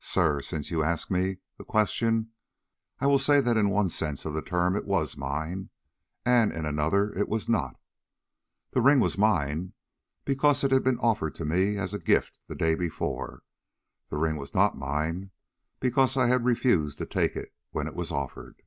"Sir, since you ask me the question, I will say that in one sense of the term it was mine, and in another it was not. The ring was mine, because it had been offered to me as a gift the day before. The ring was not mine, because I had refused to take it when it was offered."